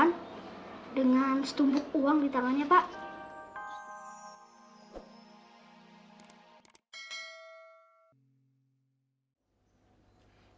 dengan setumpuk uang di tangannya pak